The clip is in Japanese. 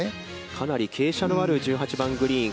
かなり傾斜のある１８番グリーン。